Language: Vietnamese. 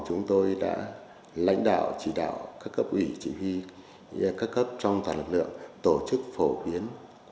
chúng tôi đã lãnh đạo chỉ đạo các cấp ủy chỉ huy các cấp trong toàn lực lượng tổ chức phổ biến